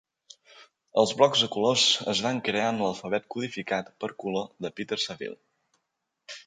Els blocs de colors es van crear amb l'alfabet codificat per color de Peter Saville.